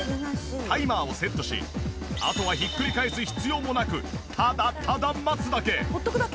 タイマーをセットしあとはひっくり返す必要もなくただただ待つだけ。